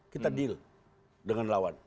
kita deal dengan lawan